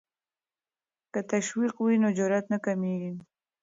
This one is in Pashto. که تشویق وي نو جرات نه کمېږي.